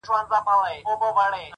د خدای سره خبرې کړه هنوز په سجده کي’